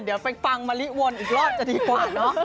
เดี๋ยวไปฟังมะลิวนอีกรอบจะดีกว่าเนอะ